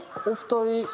お二人。